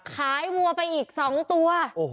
วัวไปอีก๒ตัว